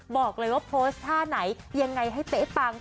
บอกเลยว่าโพสต์ท่าไหนยังไงให้เป๊ะปัง